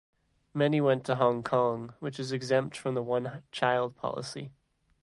Many went to Hong Kong, which is exempt from the one-child policy.